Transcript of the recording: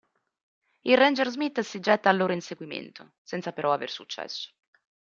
Il ranger Smith si getta al loro inseguimento, senza però aver successo.